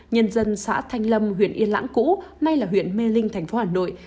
nhân dân xã thanh lâm huyện yên lãng cũ nay là huyện mê linh thành phố hà nội